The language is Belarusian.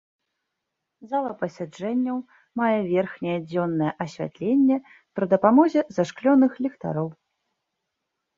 Зала пасяджэнняў мае верхняе дзённае асвятленне пры дапамозе зашклёных ліхтароў.